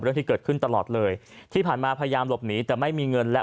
สุดท้ายตัดสินใจเดินทางไปร้องทุกข์การถูกกระทำชำระวจริงและตอนนี้ก็มีภาวะซึมเศร้าด้วยนะครับ